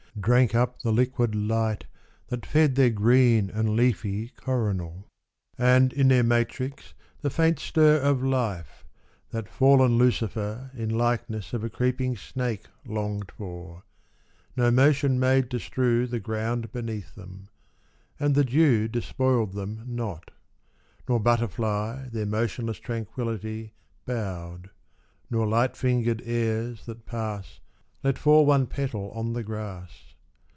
Drank up the liquid light that fed Their green and leafy coronal. And in their matrix, the faint stir Of Life (that fallen Lucifer In likeness of a creeping snake Longed for) — no motion made to strew The ground beneath them ; and the dew Despoiled them not ; nor butterfly Their motionless tranquillity Bowed ; nor light fingered airs that pass Let fall one petal on the grass.